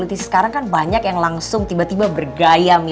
debat kusir gitu